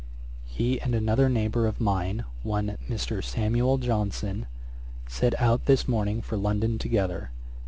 'He, and another neighbour of mine, one Mr. Samuel Johnson, set out this morning for London together.